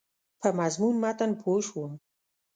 په مضمون متن پوه شوم.